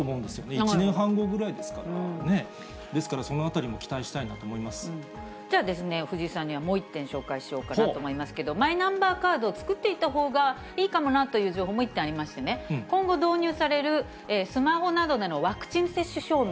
１年半後ぐらいですからね、ですからそのあたりも期待したいじゃあ、藤井さんにはもう１点紹介しようかなと思うんですけど、マイナンバーカード作っていた方がいいかもなという情報、もう一点ありまして、今後導入されるスマホなどでのワクチン接種証明。